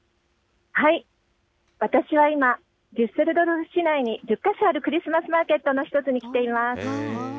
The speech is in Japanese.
私は今、デュッセルドルフ市内に１０か所あるクリスマスマーケットの一つに来ています。